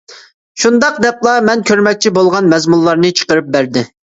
شۇنداق دەپلا مەن كۆرمەكچى بولغان مەزمۇنلارنى چىقىرىپ بەردى.